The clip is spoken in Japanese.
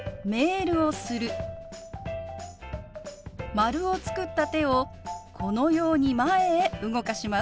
丸を作った手をこのように前へ動かします。